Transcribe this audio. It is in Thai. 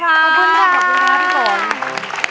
ขอบคุณครับ